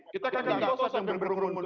kita kan gak usah sambil berumur umur